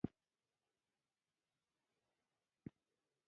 سیلابونه د افغانستان د چاپیریال د مدیریت لپاره مهم دي.